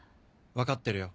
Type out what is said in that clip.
分かってるよ。